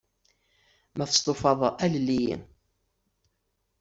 Ma testufaḍ, alel-iyi.